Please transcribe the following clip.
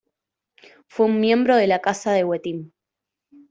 Fue un miembro de la Casa de Wettin.